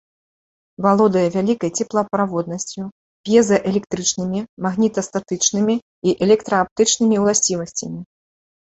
Валодае вялікай цеплаправоднасцю, п'езаэлектрычнымі, магнітастатычнымі і электрааптычнымі ўласцівасцямі.